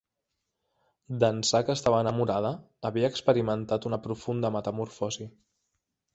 D'ençà que estava enamorada, havia experimentat una profunda metamorfosi.